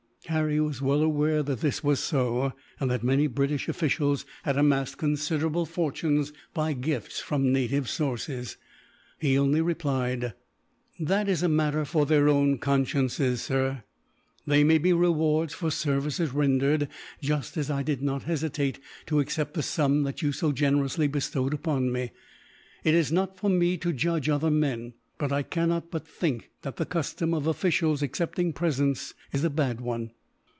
Harry was well aware that this was so, and that many British officials had amassed considerable fortunes, by gifts from native sources. He only replied: "That is a matter for their own consciences, sir. They may be rewards for services rendered, just as I did not hesitate to accept the sum that you so generously bestowed upon me. It is not for me to judge other men, but I cannot but think that the custom of officials accepting presents is a bad one."